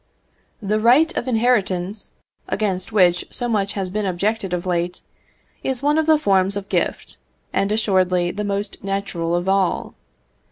The right of inheritance, against which so much has been objected of late, is one of the forms of gift, and assuredly the most natural of all.